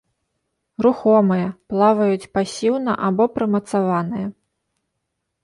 Рухомыя, плаваюць пасіўна або прымацаваныя.